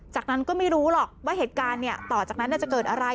จากนั้นก็ไม่รู้หรอกว่าเหตุการณ์ต่อจากนั้นจะเกิดอะไร